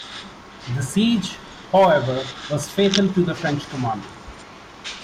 The siege, however, was fatal to the French commander.